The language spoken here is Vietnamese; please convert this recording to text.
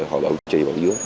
họ bảo chí